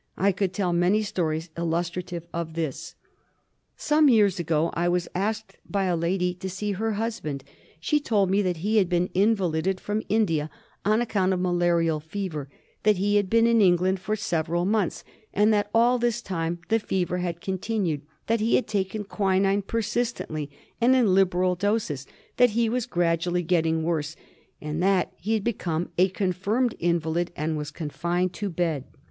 I could tell many stories illustrative of this. Some years ago I was asked by a lady to see her husband. She told me that he had been invalided from 156 DIAGNOSIS OF MALARIA. India on account of malarial fever ; that he had been in England for several months, and that all this time the fever had continued ; that he had taken quinine j)er sistently and in liberal doses; that he was gradually getting worse; and that he had become a confirmed invalid and was confined to bed.